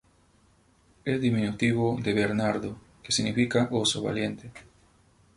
Es diminutivo de Bernardo, que significa "oso valiente".